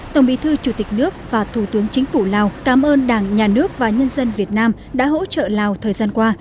tổng bí thư chủ tịch nước và thủ tướng chính phủ lào cảm ơn đảng nhà nước và nhân dân việt nam đã hỗ trợ lào thời gian qua